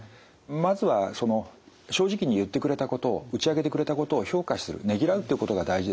まずはその正直に言ってくれたことを打ち明けてくれたことを評価するねぎらうっていうことが大事ですね。